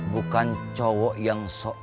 bukan cowok yang sok